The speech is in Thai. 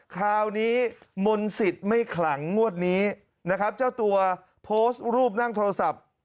คราวนี้มนต์สิทธิ์ไม่ขลังงวดนี้นะครับเจ้าตัวโพสต์รูปนั่งโทรศัพท์